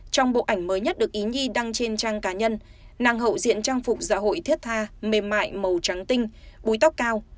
trong bộ ảnh mới nhất được ý nhi đăng trên trang cá nhân nàng hậu diện trang phục dạ hội thiết tha mềm mại màu trắng tinh búi tóc cao